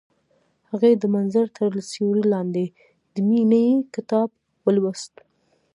هغې د منظر تر سیوري لاندې د مینې کتاب ولوست.